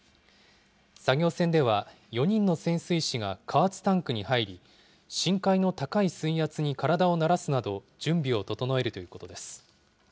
作業船では、４人の潜水士が加圧タンクに入り、深海の高い水圧に体を慣らすなど、準備を整えるということです。